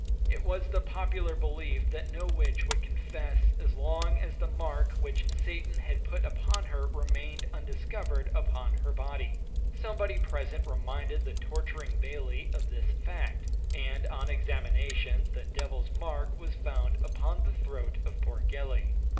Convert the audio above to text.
It was the popular belief that no witch would confess as long as the mark which Satan had put upon her remained undiscovered upon her body. Somebody present reminded the torturing bailie of this fact, and on examination, the devil's mark was found upon the throat of poor Gellie.